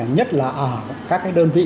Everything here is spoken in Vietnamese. nhất là ở các đơn vị